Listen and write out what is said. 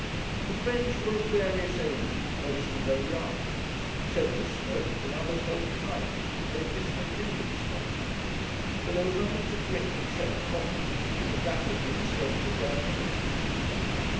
The Friends were of various ages, mostly very young. Several smoked and others held pipes which they had discontinued smoking but there was nothing to drink, except coffee, because that was the extent of their means.